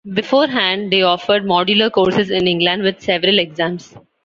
Beforehand, they offered modular courses in England with several exams.